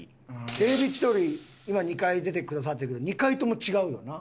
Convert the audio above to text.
『テレビ千鳥』今２回出てくださってるけど２回とも違うよな。